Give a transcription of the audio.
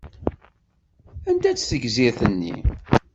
Anda-tt tegzirt-nni?